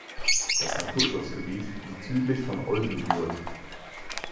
Das Naturschutzgebiet liegt südlich von Oldenburg.